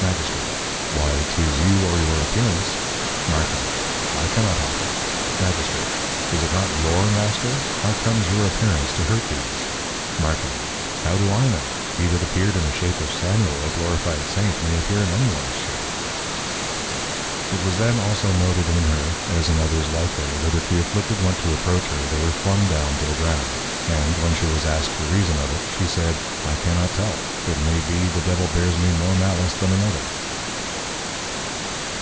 Magistrate. Why, 'tis you or your Appearance. Martin. I cannot help it. Magistrate. Is it not your Master? How comes your Appearance to hurt these? Martin. How do I know? He that appeared in the Shape of Samuel, a glorified Saint, may appear in any ones Shape. It was then also noted in her, as in others like her, that if the Afflicted went to approach her, they were flung down to the Ground. And, when she was asked the reason of it, she said, _I cannot tell; it may be, the Devil bears me more Malice than another.